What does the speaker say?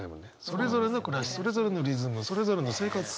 それぞれの暮らしそれぞれのリズムそれぞれの生活。